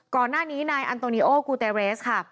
ก่อนหน้านี้นายอันโตนิโอกูเตเรสค่ะ